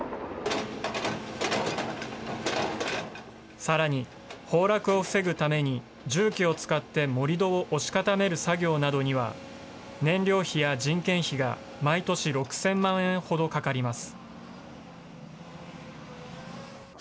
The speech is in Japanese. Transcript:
さらに崩落を防ぐために重機を使って盛り土を押し固める作業などには、燃料費や人件費が毎年６０００万円ほどかかります。